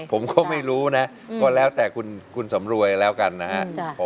ผมก็ไม่รู้นะก็แล้วแต่คุณสำรวยแล้วกันนะครับ